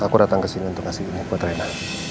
aku datang kesini untuk kasih ini buat rena